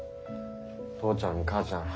父ちゃんと母ちゃん写真